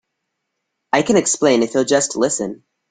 I can explain if you'll just listen.